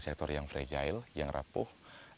sektor yang fragile yang rapuh